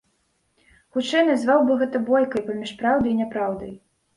Хутчэй, назваў бы гэта бойкай паміж праўдай і няпраўдай.